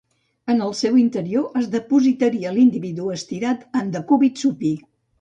En el seu interior es dipositaria l'individu estirat en decúbit supí.